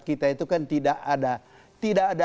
kita itu kan tidak ada